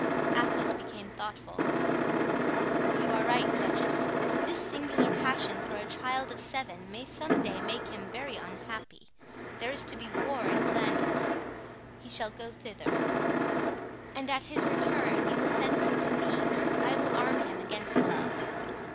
Athos became thoughtful. "You are right, duchess. This singular passion for a child of seven may some day make him very unhappy. There is to be war in Flanders. He shall go thither." "And at his return you will send him to me. I will arm him against love."